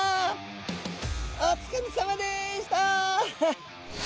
お疲れさまでした！